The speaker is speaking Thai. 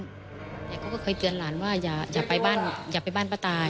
ยายก็เคยเตือนหลานว่าอย่าไปบ้านประต่าย